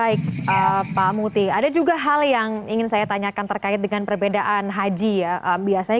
itu dari sisi